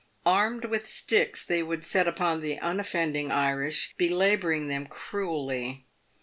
Armed with sticks, they would set upon the unoffending Irish, belabouring them cruelly.